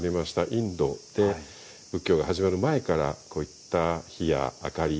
インドで仏教が始まる前からこういった火や明かり